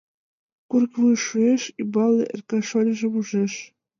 Курык вуйыш шуэш, умбалне Эркай шольыжым ужеш.